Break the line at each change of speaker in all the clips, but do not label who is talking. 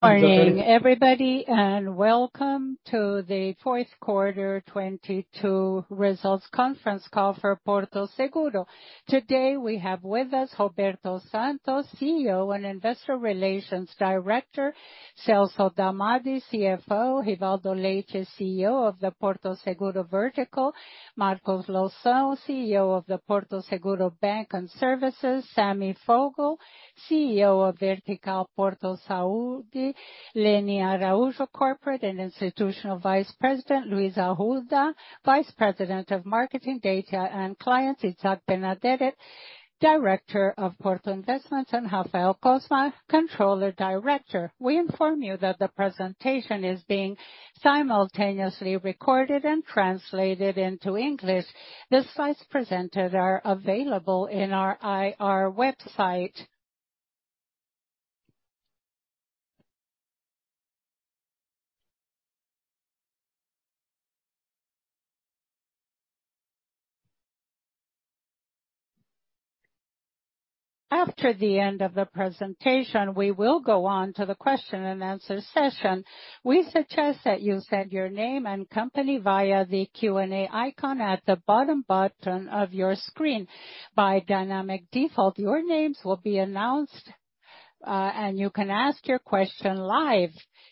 Morning, everybody, welcome to the 4th quarter 2022 results conference call for Porto Seguro. Today, we have with us Roberto Santos, CEO and Investor Relations Officer. Celso Damadi, CFO. Rivaldo Leite, CEO of the Porto Seguro Vertical. Marcos Loução, CEO of the Porto Seguro Bank and Services. Sami Foguel, CEO of Vertical Porto Saúde. Lene Araújo Corporate and Institutional Vice President. Luiz Augusto Arruda, Vice President of Marketing, Data and Client. Isaac Benedetti, Director of Porto Investments, and Rafael Cosma, Controller Director. We inform you that the presentation is being simultaneously recorded and translated into English. The slides presented are available in our IR website. After the end of the presentation, we will go on to the question and answer session. We suggest that you send your name and company via the Q&A icon at the bottom button of your screen. By dynamic default, your names will be announced. You can ask your question live.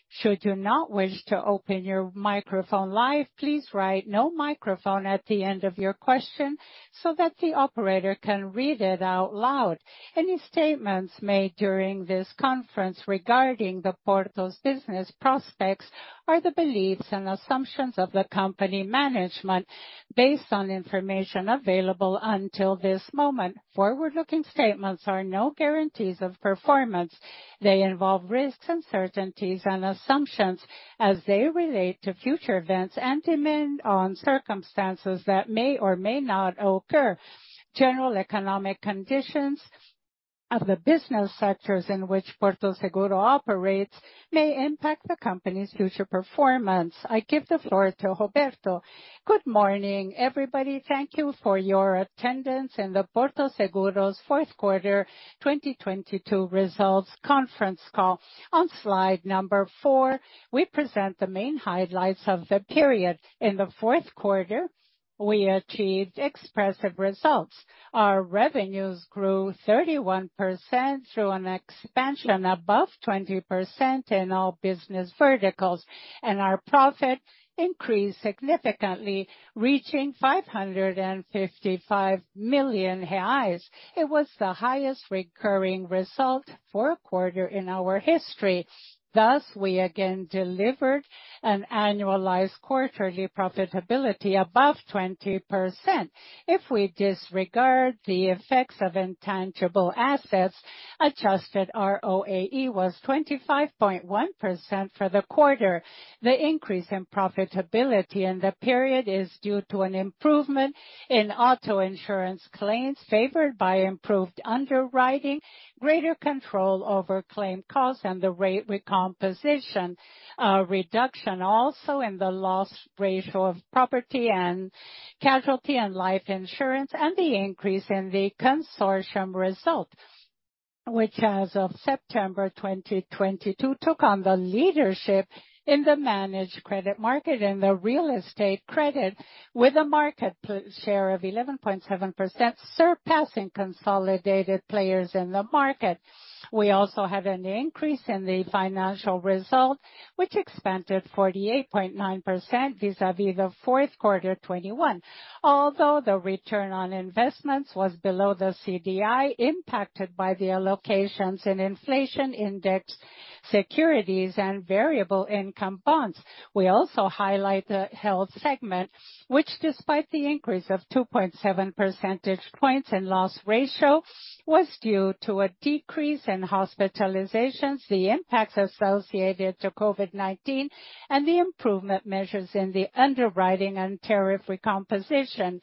Should you not wish to open your microphone live, please write "no microphone" at the end of your question so that the operator can read it out loud. Any statements made during this conference regarding the Porto's business prospects are the beliefs and assumptions of the company management based on information available until this moment. Forward-looking statements are no guarantees of performance. They involve risks, uncertainties and assumptions as they relate to future events and depend on circumstances that may or may not occur. General economic conditions of the business sectors in which Porto Seguro operates may impact the company's future performance. I give the floor to Roberto. Good morning, everybody. Thank you for your attendance in the Porto Seguro's fourth quarter 2022 results conference call. On slide number four, we present the main highlights of the period. In the fourth quarter, we achieved expressive results. Our revenues grew 31% through an expansion above 20% in all business verticals. Our profit increased significantly, reaching 555 million reais. It was the highest recurring result for a quarter in our history. Thus, we again delivered an annualized quarterly profitability above 20%. If we disregard the effects of intangible assets, adjusted ROAE was 25.1% for the quarter. The increase in profitability in the period is due to an improvement in auto insurance claims favored by improved underwriting, greater control over claim costs and the rate recomposition, reduction also in the loss ratio of property and casualty and life insurance, and the increase in the consortium result, which, as of September 2022, took on the leadership in the managed credit market and the real estate credit with a market share of 11.7%, surpassing consolidated players in the market. We also had an increase in the financial result, which expanded 48.9% vis-a-vis the fourth quarter 2021. Although the return on investments was below the CDI impacted by the allocations in inflation index securities and variable income bonds. We also highlight the health segment, which despite the increase of 2.7 percentage points in loss ratio, was due to a decrease in hospitalizations, the impacts associated to COVID-19 and the improvement measures in the underwriting and tariff recomposition.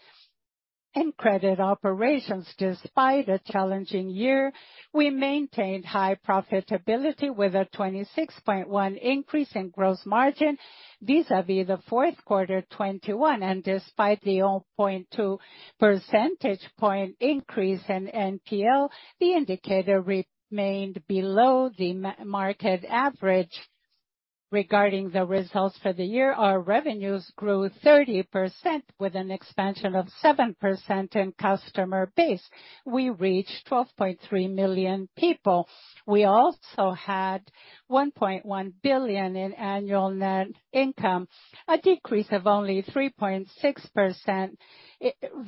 In credit operations, despite a challenging year, we maintained high profitability with a 26.1 increase in gross margin vis-a-vis the fourth quarter 2021. Despite the 0.2 percentage point increase in NPL, the indicator remained below the market average. Regarding the results for the year, our revenues grew 30% with an expansion of 7% in customer base. We reached 12.3 million people. We also had 1.1 billion in annual net income, a decrease of only 3.6%,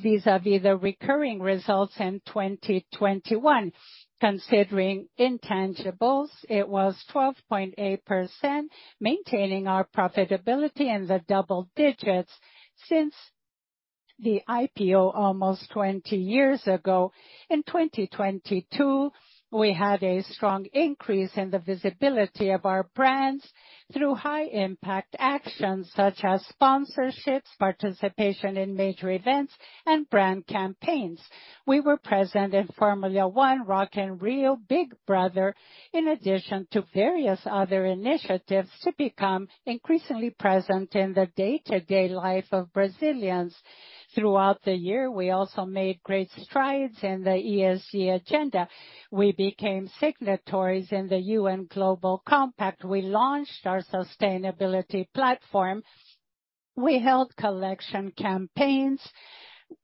vis-a-vis the recurring results in 2021. Considering intangibles, it was 12.8%, maintaining our profitability in the double digits since the IPO almost 20 years ago. In 2022, we had a strong increase in the visibility of our brands through high impact actions such as sponsorships, participation in major events and brand campaigns. We were present in Formula 1, Rock in Rio, Big Brother, in addition to various other initiatives to become increasingly present in the day-to-day life of Brazilians. Throughout the year, we also made great strides in the ESG agenda. We became signatories in the UN Global Compact. We launched our sustainability platform. We held collection campaigns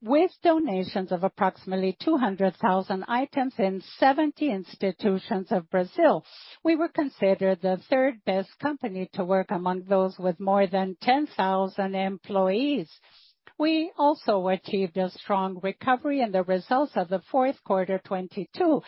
with donations of approximately 200,000 items in 70 institutions of Brazil. We were considered the third best company to work among those with more than 10,000 employees. We also achieved a strong recovery in the results of the fourth quarter 2022.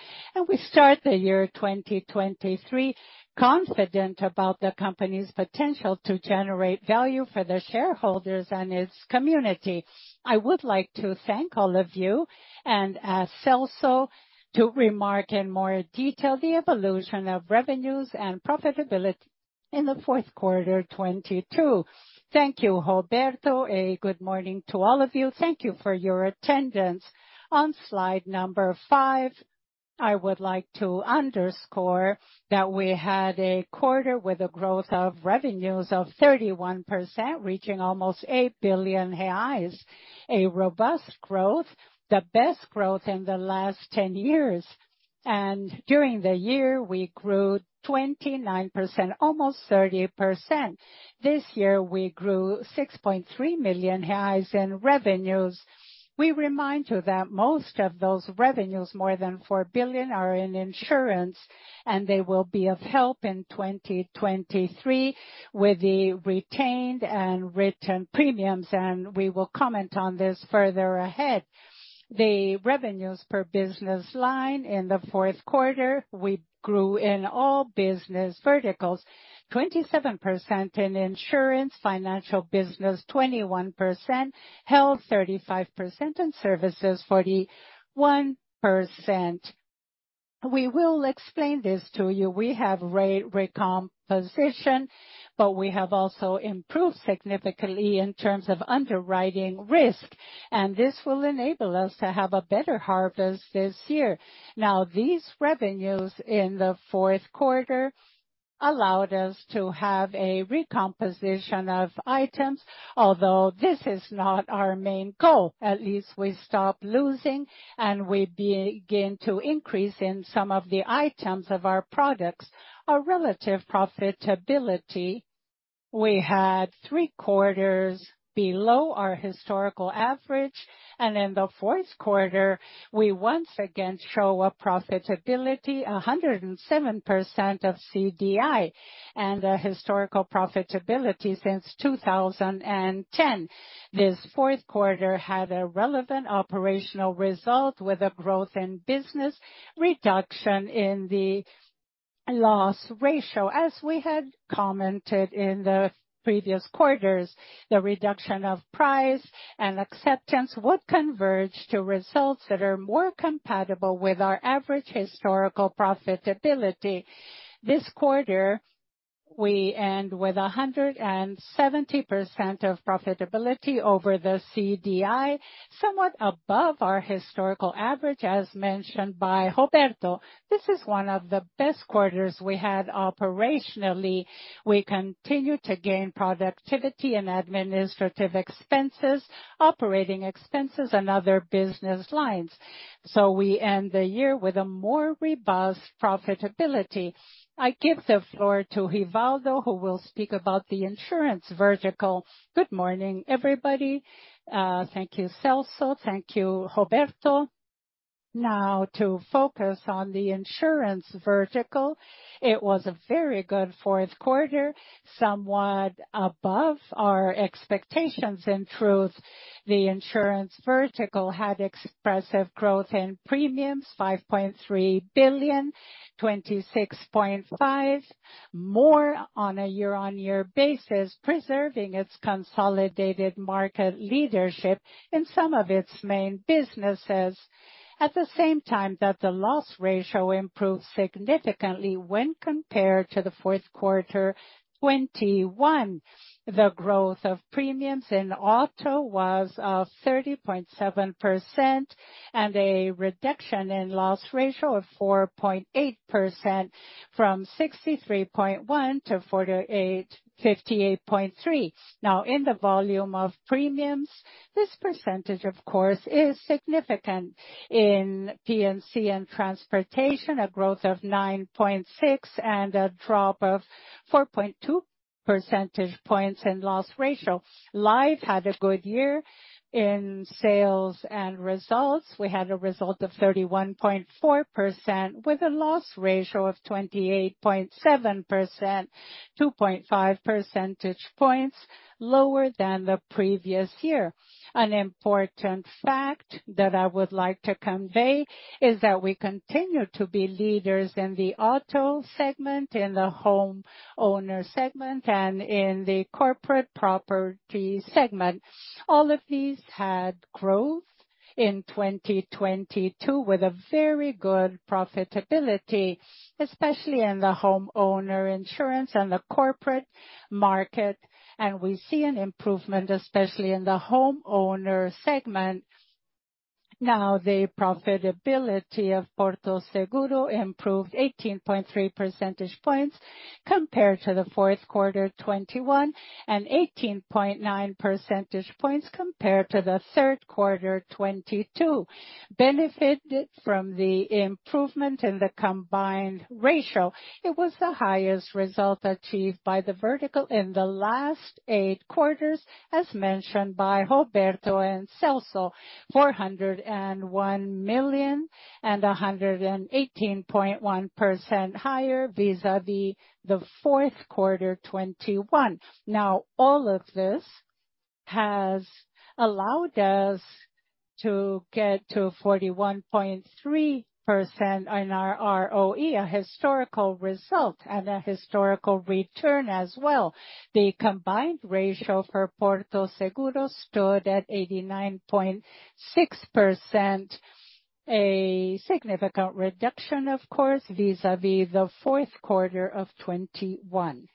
We start the year 2023 confident about the company's potential to generate value for the shareholders and its community. I would like to thank all of you and ask Celso to remark in more detail the evolution of revenues and profitability in the fourth quarter 2022. Thank you, Roberto. A good morning to all of you. Thank you for your attendance. On slide number five, I would like to underscore that we had a quarter with a growth of revenues of 31%, reaching almost 8 billion reais. A robust growth, the best growth in the last 10 years. During the year, we grew 29%, almost 30%. This year we grew 6.3 million reais in revenues. We remind you that most of those revenues, more than 4 billion, are in insurance. They will be of help in 2023 with the retained and written premiums. We will comment on this further ahead. The revenues per business line in the fourth quarter, we grew in all business verticals. 27% in insurance, financial business 21%, health 35%, services 41%. We will explain this to you. We have rate recomposition. We have also improved significantly in terms of underwriting risk. This will enable us to have a better harvest this year. These revenues in the fourth quarter allowed us to have a recomposition of items, although this is not our main goal. At least we stop losing and we begin to increase in some of the items of our products. Our relative profitability, we had three quarters below our historical average. In the fourth quarter, we once again show a profitability 107% of CDI, and a historical profitability since 2010. This fourth quarter had a relevant operational result with a growth in business reduction in the loss ratio. As we had commented in the previous quarters, the reduction of price and acceptance would converge to results that are more compatible with our average historical profitability. This quarter, we end with 170% of profitability over the CDI, somewhat above our historical average, as mentioned by Roberto. This is one of the best quarters we had operationally. We continue to gain productivity in administrative expenses, operating expenses and other business lines. We end the year with a more robust profitability. I give the floor to Rivaldo, who will speak about the insurance vertical. Good morning, everybody. Thank you, Celso. Thank you, Roberto. To focus on the insurance vertical. It was a very good fourth quarter, somewhat above our expectations. In truth, the insurance vertical had expressive growth in premiums, 5.3 billion, 26.5% more on a year-on-year basis, preserving its consolidated market leadership in some of its main businesses. The loss ratio improved significantly when compared to the fourth quarter 2021. The growth of premiums in auto was 30.7%, a reduction in loss ratio of 4.8% from 63.1% to 58.3%. In the volume of premiums, this percentage, of course, is significant. In PNC and transportation, a growth of 9.6 and a drop of 4.2 percentage points in loss ratio. Life had a good year in sales and results. We had a result of 31.4% with a loss ratio of 28.7%, 2.5 percentage points lower than the previous year. An important fact that I would like to convey is that we continue to be leaders in the auto segment, in the homeowner segment, and in the corporate property segment. All of these had growth in 2022 with a very good profitability, especially in the homeowner insurance and the corporate market. We see an improvement, especially in the homeowner segment. Now, the profitability of Porto Seguro improved 18.3 percentage points compared to the fourth quarter 2021, and 18.9 percentage points compared to the third quarter 2022. Benefited from the improvement in the combined ratio, it was the highest result achieved by the vertical in the last eight quarters, as mentioned by Roberto and Celso. 401 million and 118.1% higher vis-a-vis the fourth quarter 2021. All of this has allowed us to get to 41.3% in our ROE, a historical result and a historical return as well. The combined ratio for Porto Seguro stood at 89.6%, a significant reduction, of course, vis-a-vis the fourth quarter of 2021.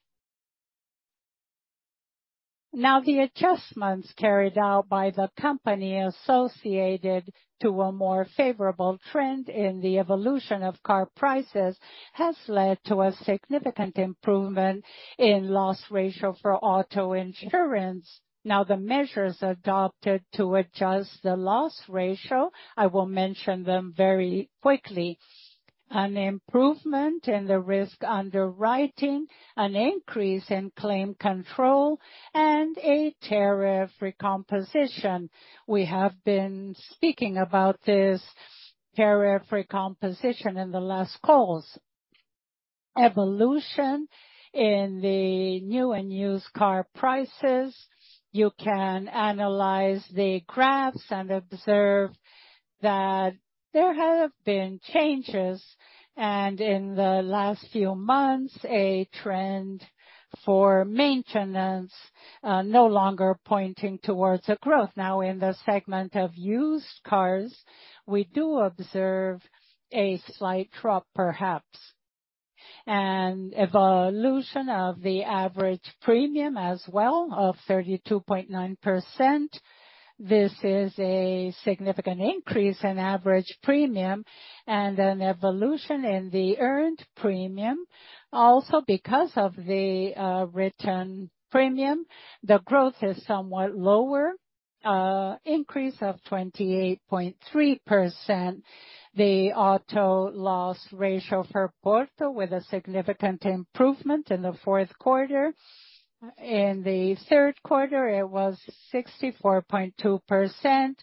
The adjustments carried out by the company associated to a more favorable trend in the evolution of car prices has led to a significant improvement in loss ratio for auto insurance. The measures adopted to adjust the loss ratio, I will mention them very quickly. An improvement in the risk underwriting, an increase in claim control, a tariff recomposition. We have been speaking about this tariff recomposition in the last calls. Evolution in the new and used car prices. You can analyze the graphs and observe that there have been changes, in the last few months, a trend for maintenance, no longer pointing towards a growth. In the segment of used cars, we do observe a slight drop, perhaps. Evolution of the average premium as well of 32.9%. This is a significant increase in average premium and an evolution in the earned premium. Because of the written premium, the growth is somewhat lower, increase of 28.3%. The auto loss ratio for Porto with a significant improvement in the fourth quarter. In the third quarter, it was 64.2%.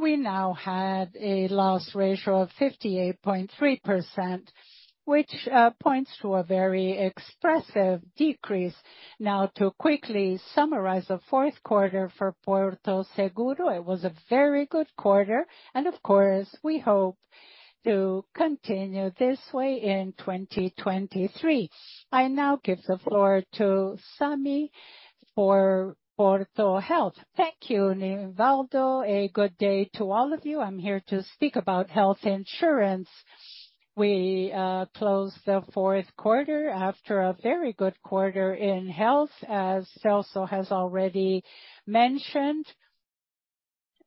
We now had a loss ratio of 58.3%, which points to a very expressive decrease. To quickly summarize the fourth quarter for Porto Seguro, it was a very good quarter, and of course, we hope to continue this way in 2023. I now give the floor to Sami for Porto Saúde. Thank you, Rivaldo. A good day to all of you. I'm here to speak about health insurance. We closed the fourth quarter after a very good quarter in health, as Celso has already mentioned.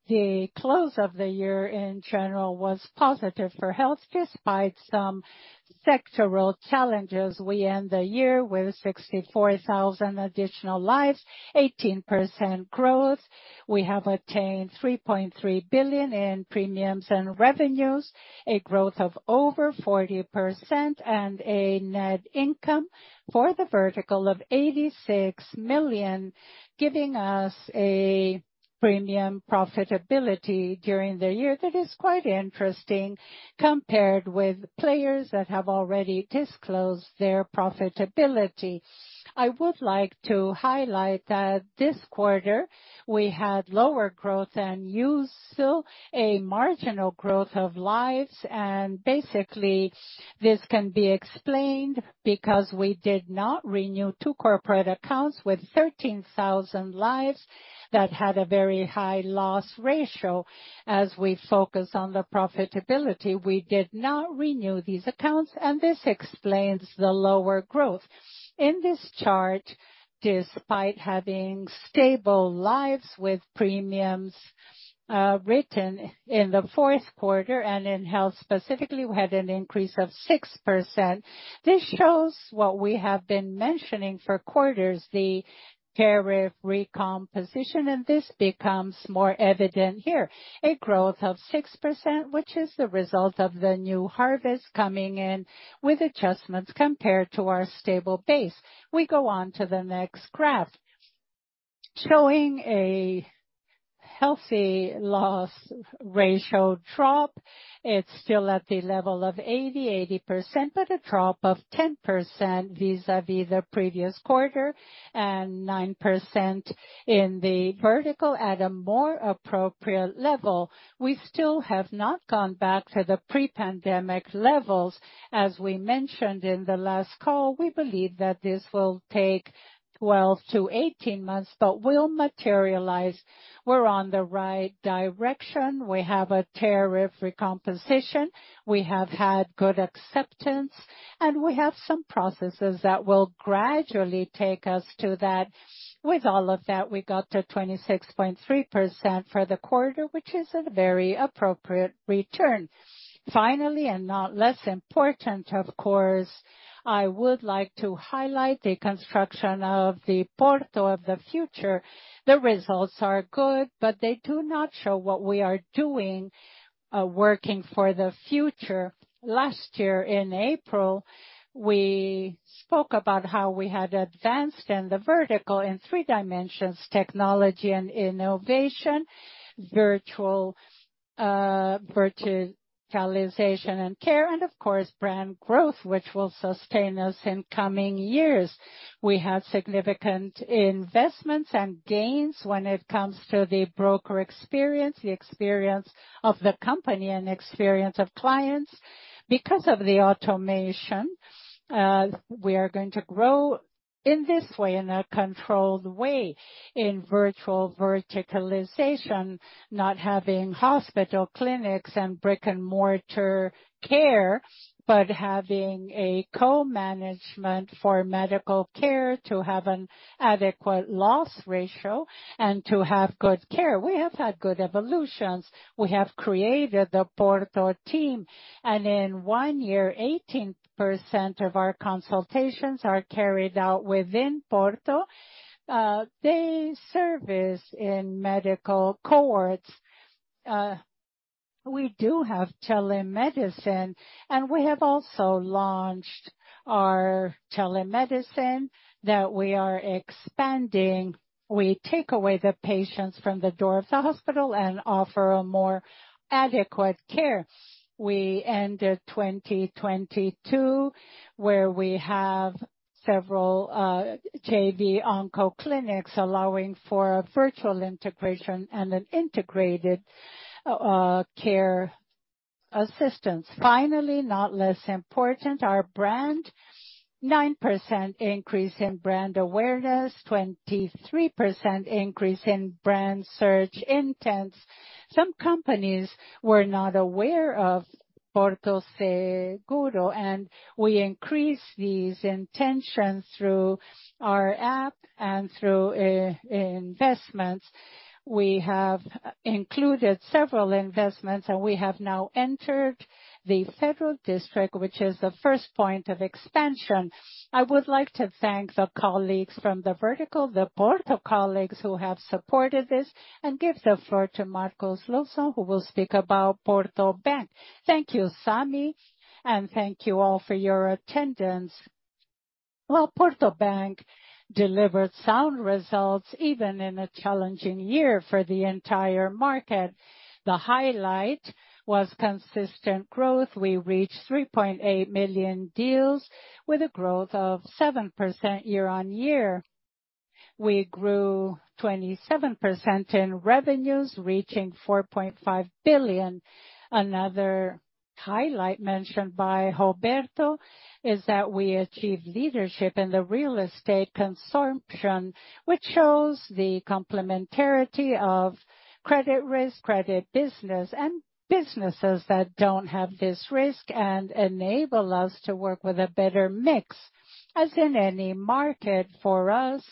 The close of the year in general was positive for health despite some sectoral challenges. We end the year with 64,000 additional lives, 18% growth. We have attained 3.3 billion in premiums and revenues, a growth of over 40%, and a net income for the vertical of 86 million, giving us a premium profitability during the year that is quite interesting compared with players that have already disclosed their profitability. I would like to highlight that this quarter we had lower growth and used still a marginal growth of lives. Basically, this can be explained because we did not renew two corporate accounts with 13,000 lives that had a very high loss ratio. As we focus on the profitability, we did not renew these accounts, and this explains the lower growth. In this chart, despite having stable lives with premiums written in the fourth quarter and in health specifically, we had an increase of 6%. This shows what we have been mentioning for quarters, the tariff recomposition, and this becomes more evident here. A growth of 6%, which is the result of the new harvest coming in with adjustments compared to our stable base. We go on to the next graph. Showing a healthy loss ratio drop. It's still at the level of 80%, but a drop of 10% vis-à-vis the previous quarter and 9% in the vertical at a more appropriate level. We still have not gone back to the pre-pandemic levels. As we mentioned in the last call, we believe that this will take 12 to 18 months, but will materialize. We're on the right direction. We have a tariff recomposition. We have had good acceptance, and we have some processes that will gradually take us to that. With all of that, we got to 26.3% for the quarter, which is a very appropriate return. Finally, not less important, of course, I would like to highlight the construction of the Porto of the future. The results are good, but they do not show what we are doing, working for the future. Last year in April, we spoke about how we had advanced in the vertical in three dimensions, technology and innovation, virtualization and care and of course brand growth, which will sustain us in coming years. We have significant investments and gains when it comes to the broker experience, the experience of the company and experience of clients. Because of the automation, we are going to grow in this way, in a controlled way, in virtual verticalization, not having hospital clinics and brick-and-mortar care, but having a co-management for medical care to have an adequate loss ratio and to have good care. We have had good evolutions. We have created the Porto team. In one year, 18% of our consultations are carried out within Porto. They service in medical cohorts. We do have telemedicine. We have also launched our telemedicine that we are expanding. We take away the patients from the door of the hospital and offer a more adequate care. We ended 2022, where we have several JV Oncoclínicas allowing for a virtual integration and an integrated care assistance. Finally, not less important, our brand. 9% increase in brand awareness, 23% increase in brand search intents. Some companies were not aware of Porto Seguro. We increased these intentions through our app and through i-investments. We have included several investments. We have now entered the federal district, which is the first point of expansion. I would like to thank the colleagues from the vertical, the Porto colleagues who have supported this, give the floor to Marcos Loução, who will speak about Porto Bank. Thank you, Sami. Thank you all for your attendance. Well, Porto Bank delivered sound results even in a challenging year for the entire market. The highlight was consistent growth. We reached 3.8 million deals with a growth of 7% year-on-year. We grew 27% in revenues, reaching 4.5 billion. Another highlight mentioned by Roberto is that we achieved leadership in the real estate consumption, which shows the complementarity of credit risk, credit business and businesses that don't have this risk and enable us to work with a better mix. As in any market, for us,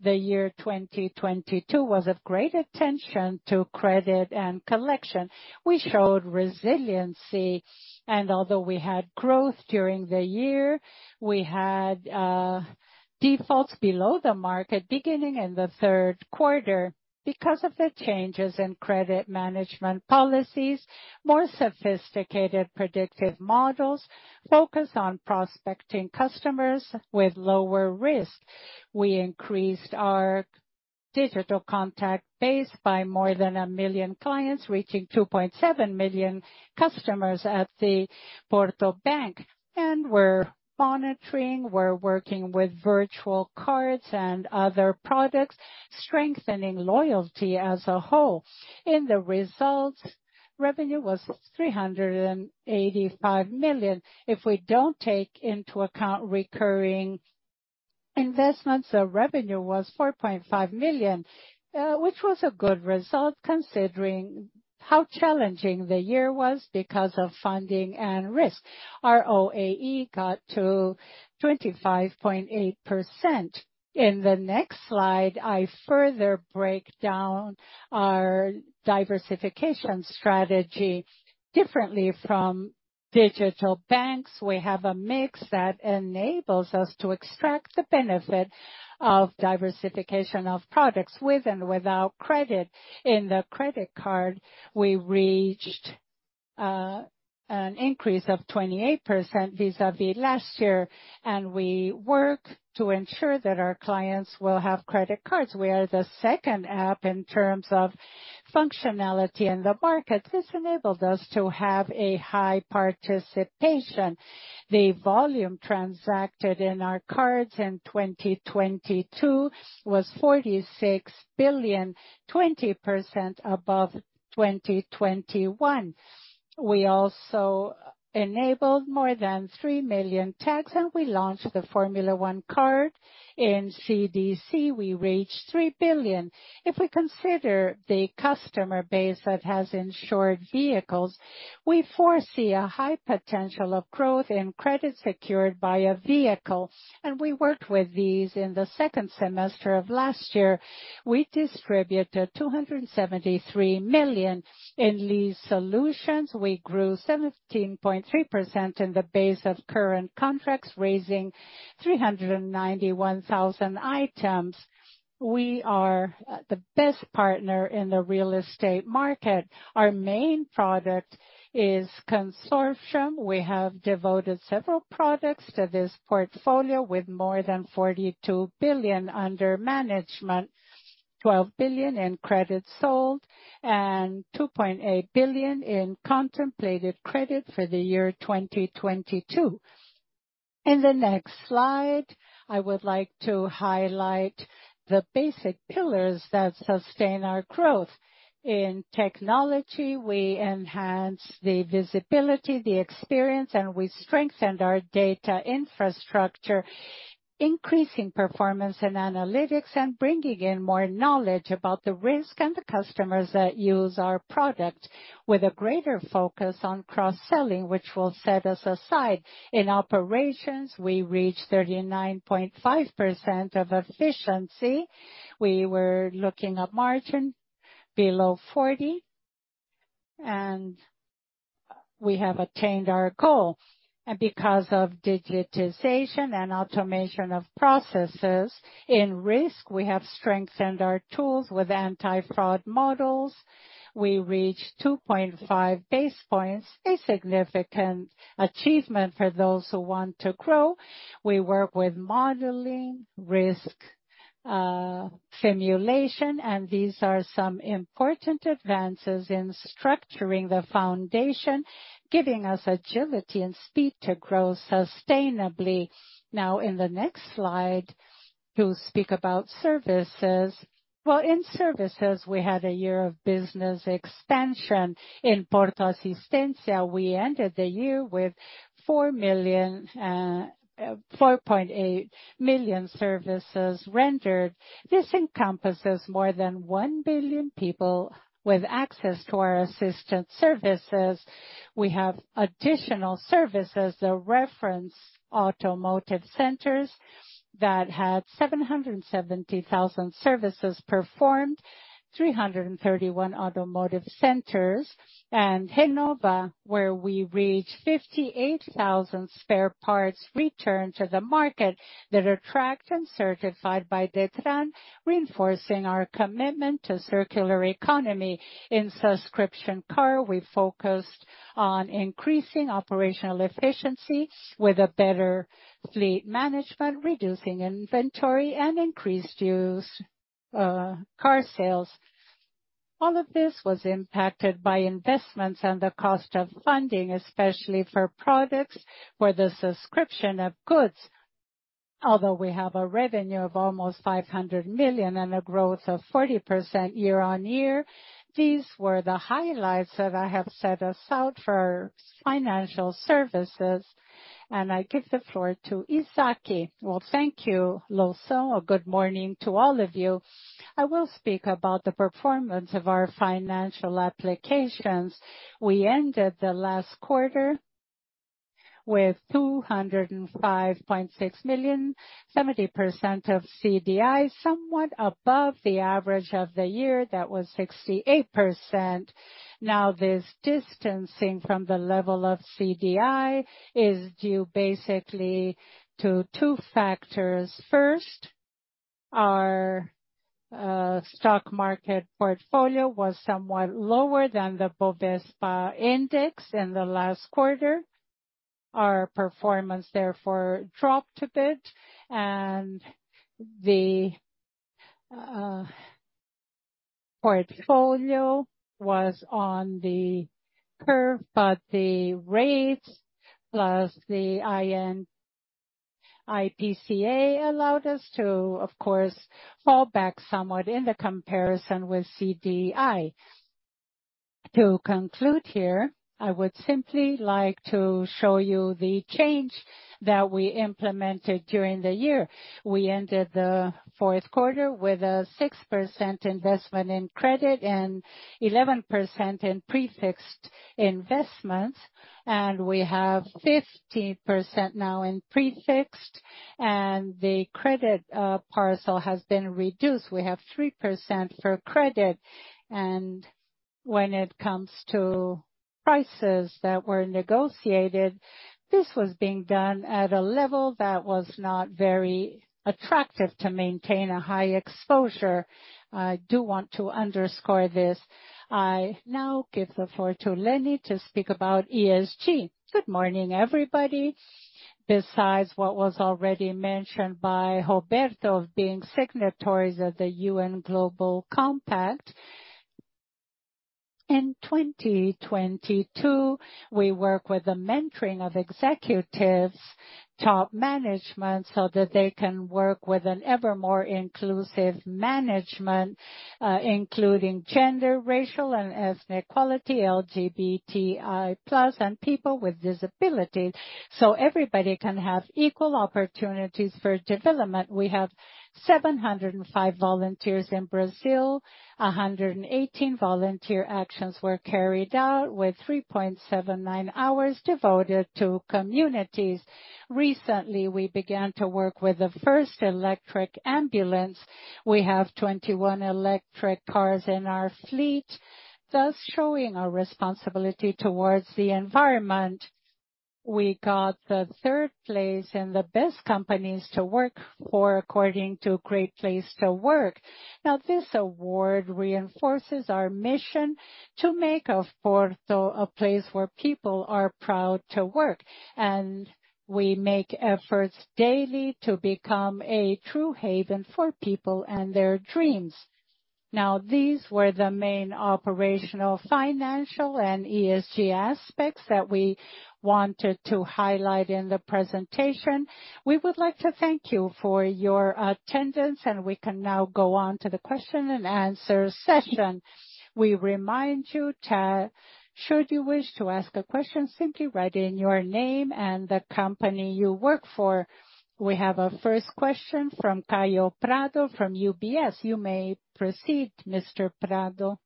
the year 2022 was of great attention to credit and collection. We showed resiliency, and although we had growth during the year, we had defaults below the market beginning in the third quarter because of the changes in credit management policies, more sophisticated predictive models focused on prospecting customers with lower risk. We increased our digital contact base by more than one million clients, reaching 2.7 million customers at the Porto Bank. We're monitoring, we're working with virtual cards and other products, strengthening loyalty as a whole. In the results, revenue was 385 million. If we don't take into account recurring investments, the revenue was 4.5 million, which was a good result considering how challenging the year was because of funding and risk. Our ROAE got to 25.8%. In the next slide, I further break down our diversification strategy. Differently from digital banks, we have a mix that enables us to extract the benefit of diversification of products with and without credit. In the credit card, we reached an increase of 28% vis-à-vis last year. We work to ensure that our clients will have credit cards. We are the second app in terms of functionality in the market. This enabled us to have a high participation. The volume transacted in our cards in 2022 was 46 billion, 20% above 2021. We also enabled more than three million tags, and we launched the Formula 1 card. In CDC, we reached 3 billion. If we consider the customer base that has insured vehicles, we foresee a high potential of growth in credit secured by a vehicle, and we worked with these in the second semester of last year. We distributed 273 million. In these solutions, we grew 17.3% in the base of current contracts, raising 391,000 items. We are the best partner in the real estate market. Our main product is consortium. We have devoted several products to this portfolio with more than 42 billion under management, 12 billion in credit sold and 2.8 billion in contemplated credit for the year 2022. In the next slide, I would like to highlight the basic pillars that sustain our growth. In technology, we enhance the visibility, the experience, and we strengthen our data infrastructure, increasing performance and analytics, and bringing in more knowledge about the risk and the customers that use our product with a greater focus on cross-selling, which will set us aside. In operations, we reach 39.5% of efficiency. We were looking at margin below 40, we have attained our goal. Because of digitization and automation of processes, in risk, we have strengthened our tools with anti-fraud models. We reach 2.5 basis points, a significant achievement for those who want to grow. We work with modeling risk, simulation, and these are some important advances in structuring the foundation, giving us agility and speed to grow sustainably. In the next slide, we'll speak about services. Well, in services, we had a year of business expansion. In Porto Assistência, we ended the year with 4.8 million services rendered. This encompasses more than one billion people with access to our assistant services. We have additional services, the reference automotive centers that had 770,000 services performed, 331 automotive centers. Renova, where we reached 58,000 spare parts returned to the market that are tracked and certified by Detran, reinforcing our commitment to circular economy. In subscription car, we focused on increasing operational efficiency with a better fleet management, reducing inventory and increased used car sales. All of this was impacted by investments and the cost of funding, especially for products where the subscription of goods. We have a revenue of almost 500 million and a growth of 40% year-over-year, these were the highlights that I have set aside for financial services, and I give the floor to Isaac. Well, thank you, Loução. Good morning to all of you. I will speak about the performance of our financial applications. We ended the last quarter with 205.6 million, 70% of CDI, somewhat above the average of the year. That was 68%. This distancing from the level of CDI is due basically to two factors. First, our stock market portfolio was somewhat lower than the Bovespa index in the last quarter. Our performance therefore dropped a bit and the portfolio was on the curve, but the rates plus the IPCA allowed us to, of course, fall back somewhat in the comparison with CDI. To conclude here, I would simply like to show you the change that we implemented during the year. We ended the fourth quarter with a 6% investment in credit and 11% in prefixed investments. We have 50% now in prefixed and the credit parcel has been reduced. We have 3% for credit. When it comes to prices that were negotiated, this was being done at a level that was not very attractive to maintain a high exposure. I do want to underscore this. I now give the floor to Lene to speak about ESG. Good morning, everybody. Besides what was already mentioned by Roberto of being signatories of the UN Global Compact, in 2022, we work with the mentoring of executives, top management, so that they can work with an ever more inclusive management, including gender, racial, and ethnic quality, LGBTI+, and people with disabilities, so everybody can have equal opportunities for development. We have 705 volunteers in Brazil. 118 volunteer actions were carried out with 3.79 hours devoted to communities. Recently, we began to work with the first electric ambulance. We have 21 electric cars in our fleet, thus showing our responsibility towards the environment. We got the third place and the best companies to work for according to Great Place To Work. This award reinforces our mission to make Porto a place where people are proud to work. We make efforts daily to become a true haven for people and their dreams. These were the main operational, financial, and ESG aspects that we wanted to highlight in the presentation. We would like to thank you for your attendance, and we can now go on to the question and answer session. We remind you to, should you wish to ask a question, simply write in your name and the company you work for. We have a first question from Kaio Prato from UBS. You may proceed, Mr. Prato.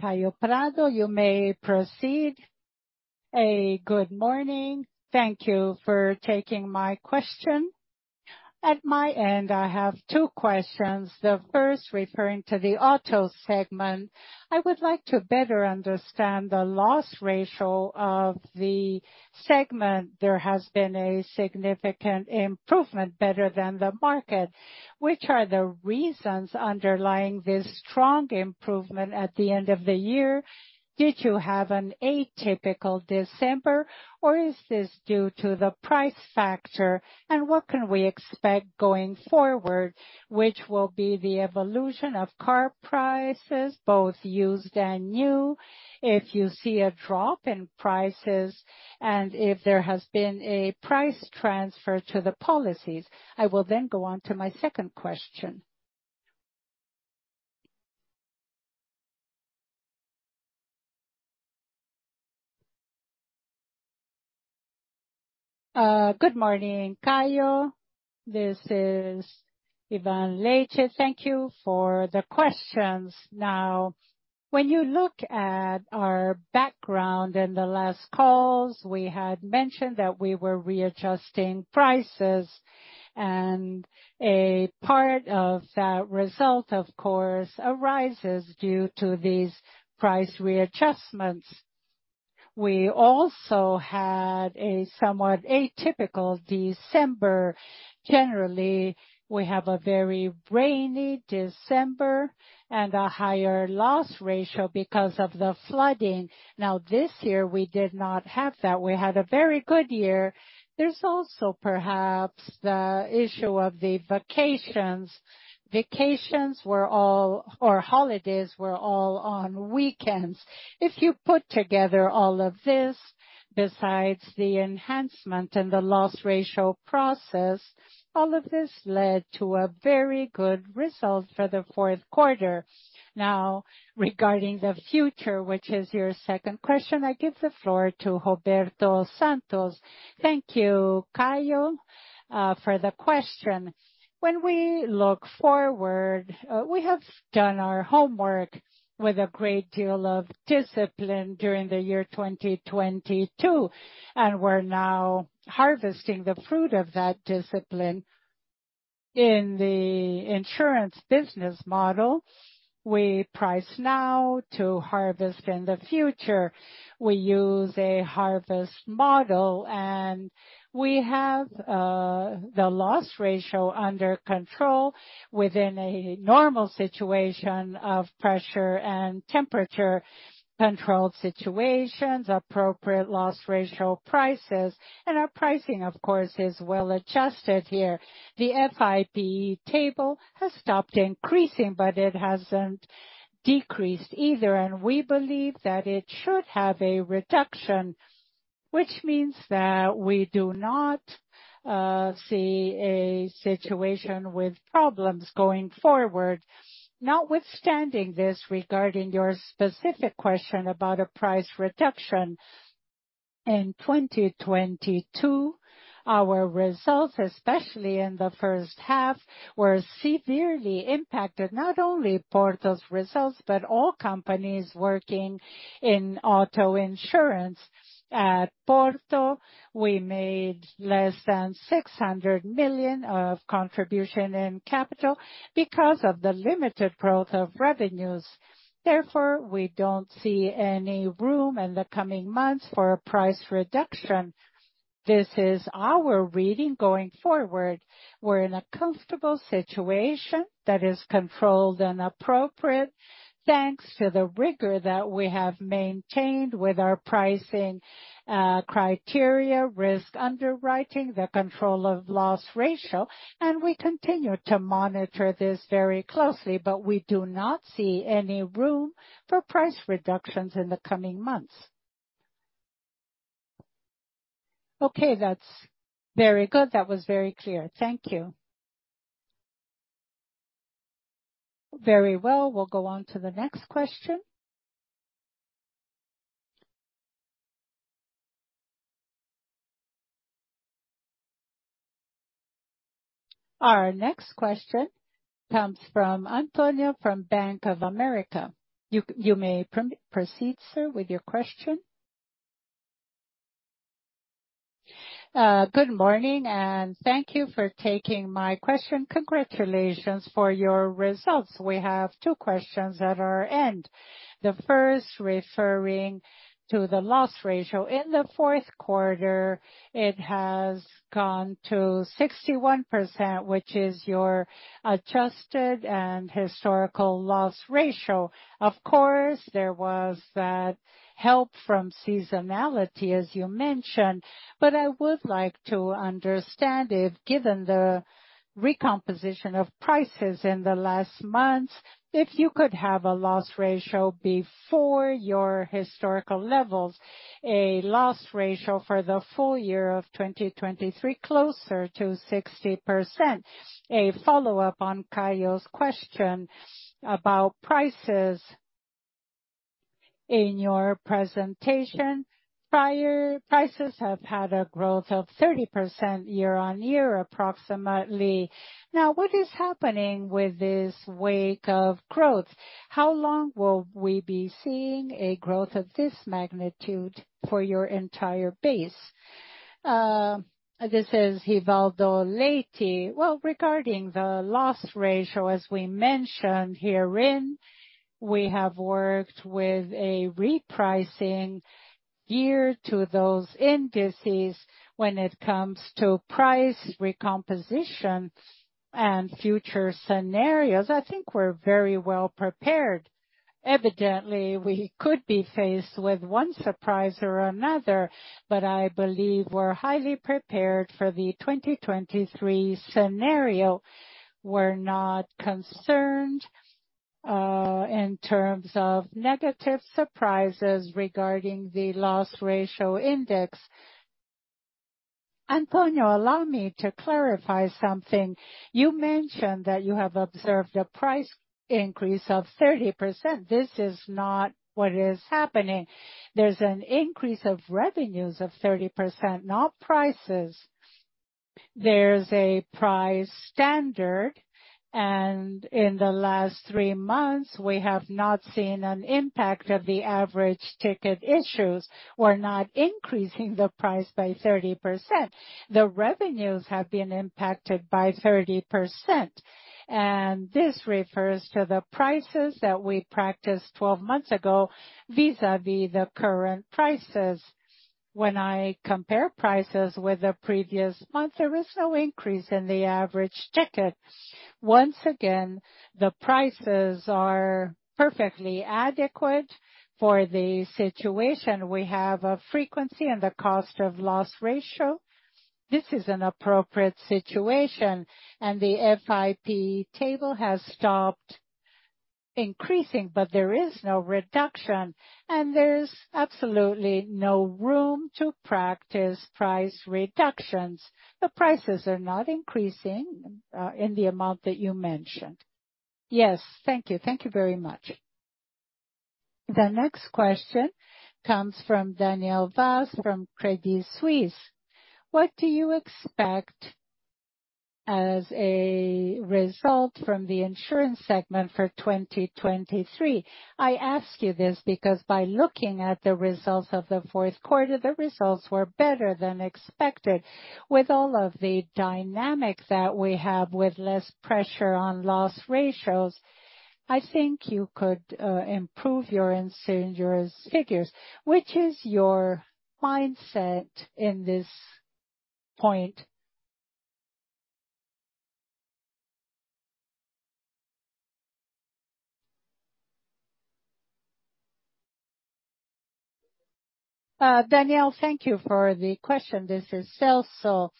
Kaio Prato, you may proceed. Good morning. Thank you for taking my question. At my end, I have two questions. The first referring to the auto segment. I would like to better understand the loss ratio of the segment. There has been a significant improvement better than the market. Which are the reasons underlying this strong improvement at the end of the year? Did you have an atypical December, or is this due to the price factor? What can we expect going forward, which will be the evolution of car prices, both used and new? If you see a drop in prices, and if there has been a price transfer to the policies? I will go on to my second question. Good morning, Caio. This is Rivaldo Leite. Thank you for the questions. When you look at our background in the last calls, we had mentioned that we were readjusting prices. A part of that result, of course, arises due to these price readjustments. We also had a somewhat atypical December. Generally, we have a very rainy December and a higher loss ratio because of the flooding. This year, we did not have that. We had a very good year. There's also perhaps the issue of the vacations. Vacations were all or holidays were all on weekends. If you put together all of this, besides the enhancement and the loss ratio process, all of this led to a very good result for the fourth quarter. Regarding the future, which is your second question, I give the floor to Roberto Santos. Thank you, Caio, for the question. When we look forward, we have done our homework with a great deal of discipline during the year 2022, and we're now harvesting the fruit of that discipline. In the insurance business model, we price now to harvest in the future. We use a harvest model, and we have, the loss ratio under control within a normal situation of pressure and temperature-controlled situations, appropriate loss ratio prices, and our pricing, of course, is well-adjusted here. The FIPE table has stopped increasing, but it hasn't decreased either, and we believe that it should have a reduction, which means that we do not, see a situation with problems going forward. Notwithstanding this, regarding your specific question about a price reduction. In 2022, our results, especially in the first half, were severely impacted, not only Porto's results, but all companies working in auto insurance. At Porto, we made less than 600 million of contribution and capital because of the limited growth of revenues. Therefore, we don't see any room in the coming months for a price reduction. This is our reading going forward. We're in a comfortable situation that is controlled and appropriate, thanks to the rigor that we have maintained with our pricing criteria, risk underwriting, the control of loss ratio. We continue to monitor this very closely. We do not see any room for price reductions in the coming months. Okay, that's very good. That was very clear. Thank you. Very well. We'll go on to the next question. Our next question comes from Antonio from Bank of America. You may proceed, sir, with your question. Good morning. Thank you for taking my question. Congratulations for your results. We have two questions at our end. The first referring to the loss ratio. In the fourth quarter, it has gone to 61%, which is your adjusted and historical loss ratio. Of course, there was that help from seasonality, as you mentioned, but I would like to understand if, given the recomposition of prices in the last months, if you could have a loss ratio before your historical levels, a loss ratio for the full year of 2023 closer to 60%? A follow-up on Kaio's question about prices. In your presentation, prior prices have had a growth of 30% year-on-year, approximately. What is happening with this wake of growth? How long will we be seeing a growth of this magnitude for your entire base? This is Rivaldo Leite. Well, regarding the loss ratio, as we mentioned herein, we have worked with a repricing geared to those indices when it comes to price recomposition and future scenarios. I think we're very well prepared. Evidently, we could be faced with one surprise or another, but I believe we're highly prepared for the 2023 scenario. We're not concerned in terms of negative surprises regarding the loss ratio index. Antonio, allow me to clarify something. You mentioned that you have observed a price increase of 30%. This is not what is happening. There's an increase of revenues of 30%, not prices. There's a price standard, and in the last three months, we have not seen an impact of the average ticket issues. We're not increasing the price by 30%. The revenues have been impacted by 30%, and this refers to the prices that we practiced 12 months ago vis-a-vis the current prices. When I compare prices with the previous month, there is no increase in the average ticket. Once again, the prices are perfectly adequate for the situation. We have a frequency in the cost of loss ratio. This is an appropriate situation. The FIP table has stopped increasing, there is no reduction, and there's absolutely no room to practice price reductions. The prices are not increasing in the amount that you mentioned. Yes. Thank you. Thank you very much. The next question comes from Daniel Vaz from Credit Suisse. What do you expect as a result from the insurance segment for 2023? I ask you this because by looking at the results of the fourth quarter, the results were better than expected. With all of the dynamics that we have with less pressure on loss ratios, I think you could improve your insurance figures. Which is your mindset in this point? Danielle, thank you for the question. This is Celso.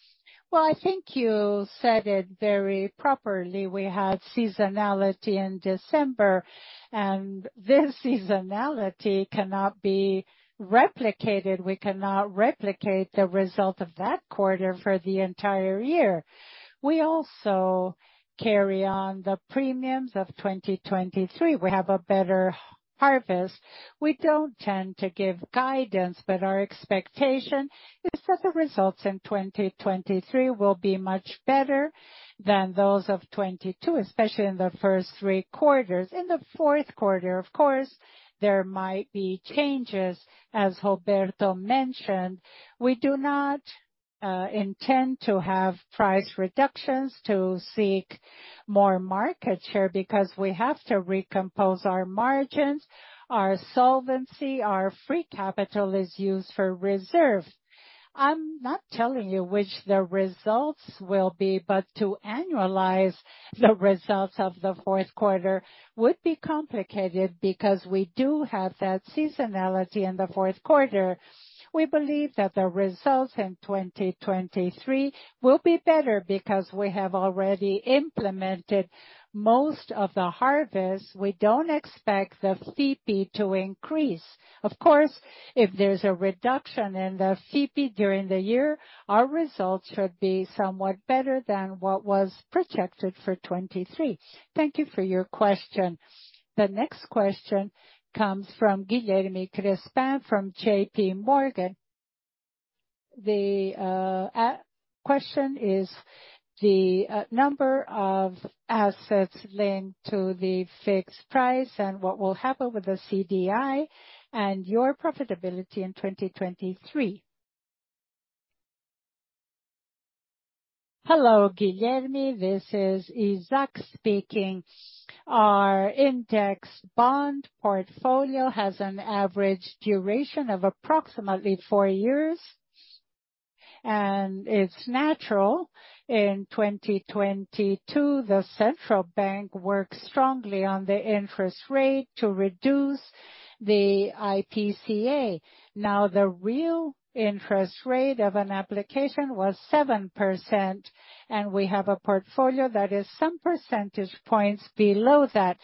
Well, I think you said it very properly. We had seasonality in December. This seasonality cannot be replicated. We cannot replicate the result of that quarter for the entire year. We also carry on the premiums of 2023. We have a better harvest. We don't tend to give guidance. Our expectation is that the results in 2023 will be much better than those of 2022, especially in the first three quarters. In the fourth quarter, of course, there might be changes, as Roberto mentioned. We do not intend to have price reductions to seek more market share because we have to recompose our margins, our solvency. Our free capital is used for reserve. I'm not telling you which the results will be. To annualize the results of the fourth quarter would be complicated because we do have that seasonality in the fourth quarter. We believe that the results in 2023 will be better because we have already implemented most of the harvest. We don't expect the CP to increase. If there's a reduction in the CP during the year, our results should be somewhat better than what was projected for 2023. Thank you for your question. The next question comes from Guilherme Grespan from JPMorgan. The question is the number of assets linked to the fixed price and what will happen with the CDI and your profitability in 2023. Hello, Guilherme, this is Isaac speaking. Our index bond portfolio has an average duration of approximately four years. It's natural in 2022, the central bank worked strongly on the interest rate to reduce the IPCA. The real interest rate of an application was 7%, and we have a portfolio that is some percentage points below that.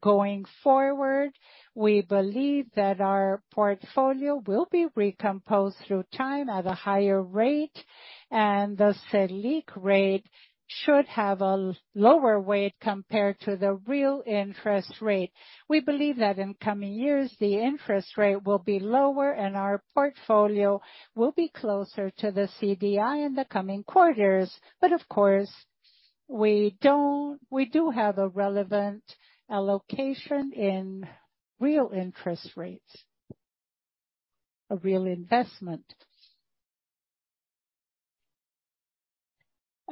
Going forward, we believe that our portfolio will be recomposed through time at a higher rate, and the Selic rate should have a lower weight compared to the real interest rate. We believe that in coming years, the interest rate will be lower and our portfolio will be closer to the CDI in the coming quarters. Of course, we do have a relevant allocation in real interest rates. A real investment.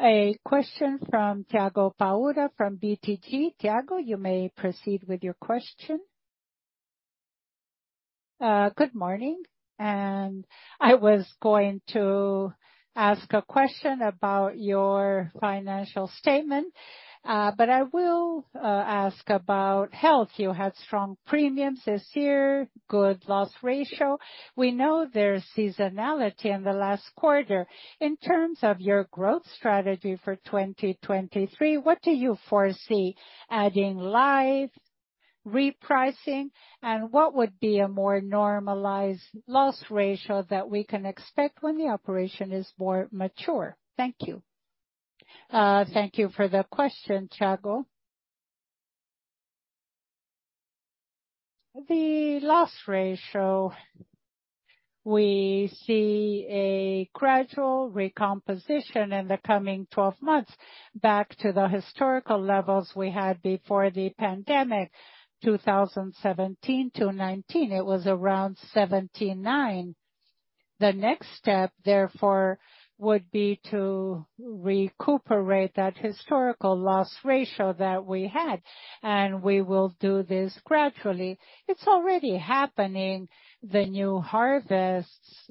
A question from Thiago Paura from BTG. Thiago, you may proceed with your question. Good morning, I was going to ask a question about your financial statement, but I will ask about health. You had strong premiums this year, good loss ratio. We know there's seasonality in the last quarter. In terms of your growth strategy for 2023, what do you foresee adding life, repricing, and what would be a more normalized loss ratio that we can expect when the operation is more mature? Thank you. Thank you for the question, Thiago. The loss ratio, we see a gradual recomposition in the coming 12 months back to the historical levels we had before the pandemic, 2017-2019. It was around 79%. The next step, therefore, would be to recuperate that historical loss ratio that we had, and we will do this gradually. It's already happening. The new harvests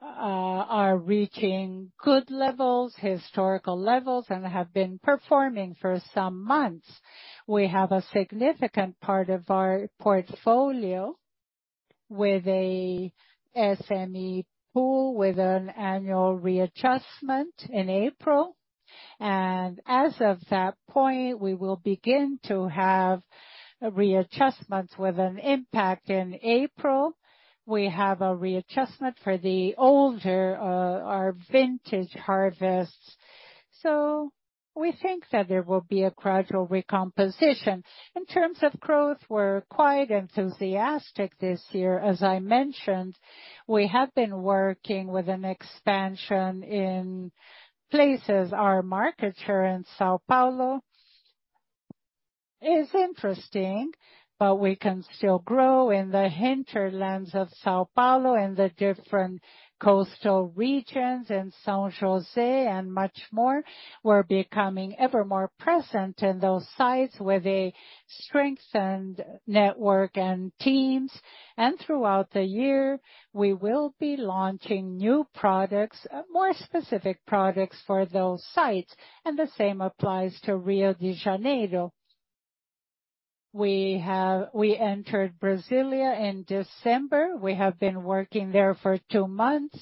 are reaching good levels, historical levels, and have been performing for some months. We have a significant part of our portfolio with a SME pool, with an annual readjustment in April. As of that point, we will begin to have readjustments with an impact in April. We have a readjustment for the older, our vintage harvests. We think that there will be a gradual recomposition. In terms of growth, we're quite enthusiastic this year. As I mentioned, we have been working with an expansion in places. Our market here in São Paulo is interesting, but we can still grow in the hinterlands of São Paulo and the different coastal regions in São José and much more. We're becoming ever more present in those sites with a strengthened network and teams. Throughout the year, we will be launching new products, more specific products for those sites, and the same applies to Rio de Janeiro. We entered Brasília in December. We have been working there for two months.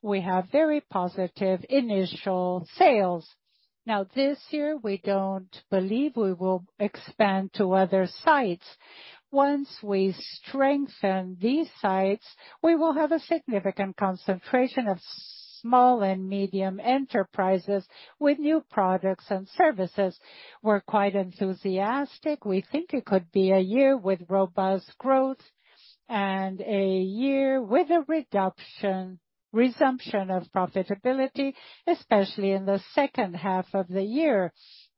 We have very positive initial sales. This year, we don't believe we will expand to other sites. Once we strengthen these sites, we will have a significant concentration of small and medium enterprises with new products and services. We're quite enthusiastic. We think it could be a year with robust growth and a year with a resumption of profitability, especially in the second half of the year,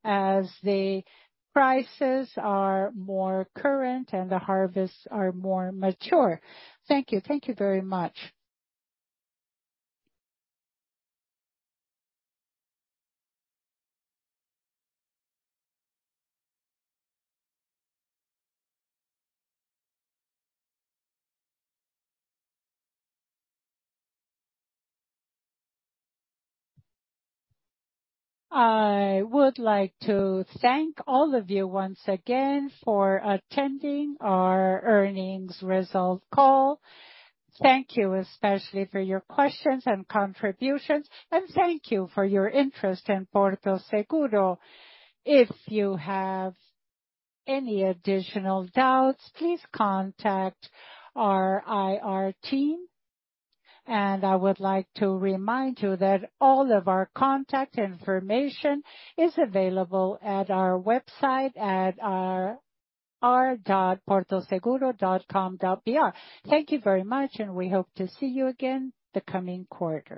as the prices are more current and the harvests are more mature. Thank you. Thank you very much. I would like to thank all of you once again for attending our earnings result call. Thank you especially for your questions and contributions, and thank you for your interest in Porto Seguro. If you have any additional doubts, please contact our IR team, and I would like to remind you that all of our contact information is available at our website at ri.portoseguro.com.br. Thank you very much, and we hope to see you again the coming quarter.